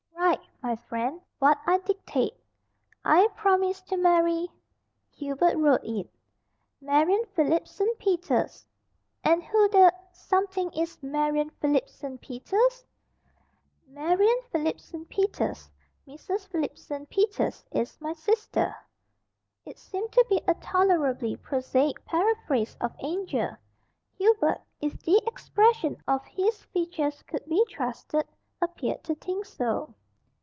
"Write, my friend, what I dictate. 'I promise to marry '" Hubert wrote it "'Marian Philipson Peters '" "And who the something is Marian Philipson Peters?" "Marian Philipson Peters Mrs. Philipson Peters, is my sister." It seemed to be a tolerably prosaic paraphrase of "Angel." Hubert, if the expression of his features could be trusted, appeared to think so.